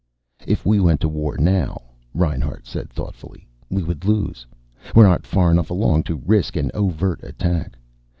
"If we went to war now," Reinhart said thoughtfully, "we would lose. We're not far enough along to risk an overt attack."